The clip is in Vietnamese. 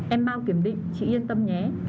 em bao kiểm định chị yên tâm nhé